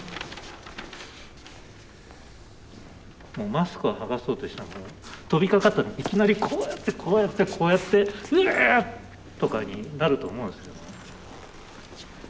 マスクを剥がそうとしたらもう飛びかかったらいきなりこうやってこうやってこうやって「うっ！」とかになると思うんですよ。